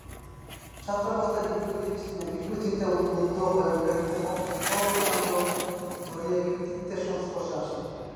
ছাত্রাবস্থায় বিপ্লবী চিন্তায় উদ্বুদ্ধ হয়ে ওঠেন এবং স্বভাবতই আন্দোলনে জড়িত ব্যক্তিত্বের সংস্পর্শে আসেন।